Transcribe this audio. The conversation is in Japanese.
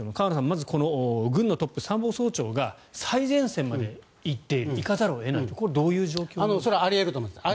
まず軍のトップである参謀総長が最前線まで行かざるを得ないこれはどういう状況ですか？